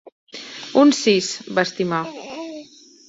Uns sis, va estimar.